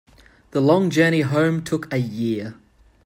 The long journey home took a year.